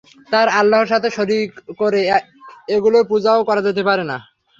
আর আল্লাহর সাথে শরীক করে এগুলোর পূজাও করা যেতে পারে না।